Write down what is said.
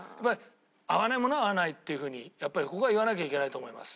合わないものは合わないっていうふうにやっぱりここは言わなきゃいけないと思います。